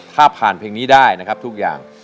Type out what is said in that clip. ถ้าผ่านเพลงนี้ได้นะครับทุกอย่าง